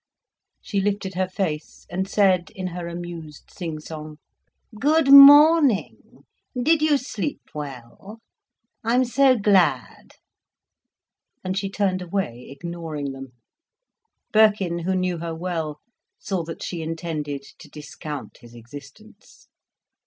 She lifted her face, and said, in her amused sing song: "Good morning! Did you sleep well? I'm so glad." And she turned away, ignoring them. Birkin, who knew her well, saw that she intended to discount his existence.